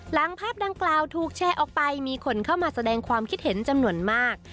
หลังภาพดังกล่าวถูกแชร์ออกไปมีคนเข้ามาแสดงความคิดเห็นจำนวนมาก